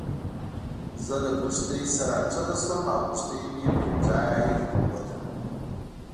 زه له کښتۍ نه راکښته شوم او کښتۍ مې په یوه ځای وتړله.